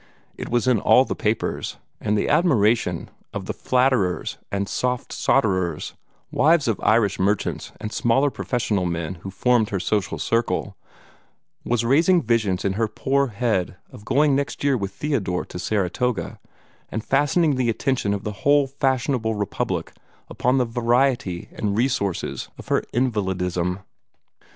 It was in all the papers, and the admiration of the flatterers and "soft sawdherers" wives of Irish merchants and smaller professional men who formed her social circle was raising visions in her poor head of going next year with Theodore to Saratoga, and fastening the attention of the whole fashionable republic upon the variety and resources of her invalidism.